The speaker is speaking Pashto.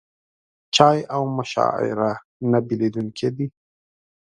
چای او مشاعره نه بېلېدونکي دي.